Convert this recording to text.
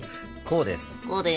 こうです。